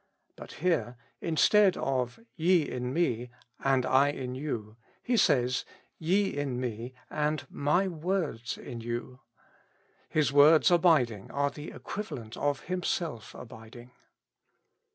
But here, instead of "Ye in me and I in you,'''' He says, "Ye in me and my words inyou.^'' His words abiding are the equivalent of Himself abiding.